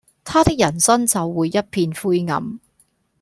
他的人生就會一片灰暗